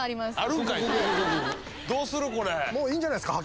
もういいんじゃないっすか？